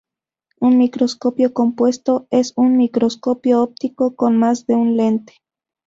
Un microscopio compuesto es un microscopio óptico con más de un lente.